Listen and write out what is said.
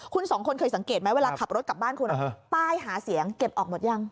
คุณสองคนเคยสังเกตไหมเวลาขับรถกลับบ้านคุณป้ายหาเสียงเก็บออกหมดยัง